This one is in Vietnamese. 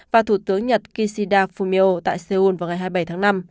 và thủ tướng nhật kishida fumio tại seoul vào ngày hai mươi bảy tháng năm